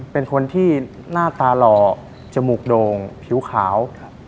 เป็นคนที่หน้าตาหล่อจมูกโด่งผิวขาว